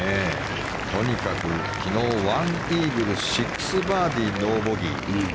とにかく昨日、１イーグル６バーディー、ノーボギー。